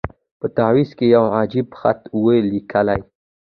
په تعویذ کي یو عجب خط وو لیکلی